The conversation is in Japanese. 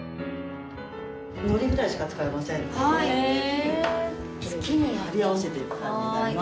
のりぐらいしか使いませんので好きに貼り合わせていく感じになります。